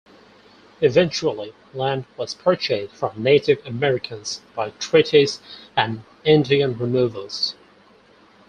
Eventually, land was purchased from Native Americans by treaties and Indian removals.